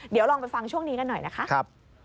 เดี๋ยวลองไปฟังช่วงนี้กันหน่อยนะคะ